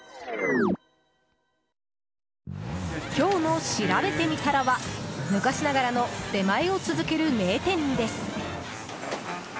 今日のしらべてみたらは昔ながらの出前を続ける名店です。